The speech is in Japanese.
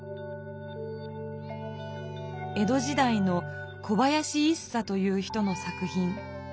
江戸時代の小林一茶という人の作ひん。